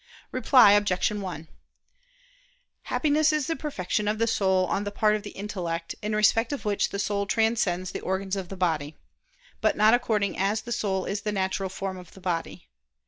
Reply Obj. 1: Happiness is the perfection of the soul on the part of the intellect, in respect of which the soul transcends the organs of the body; but not according as the soul is the natural form of the body.